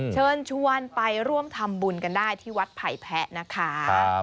เชิญชวนไปร่วมทำบุญกันได้ที่วัดไผ่แพะนะคะ